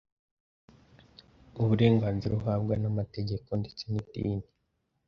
uburenganzira uhabwa n’amategeko ndetse n’idini.